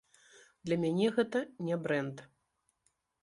Для мяне гэта не брэнд.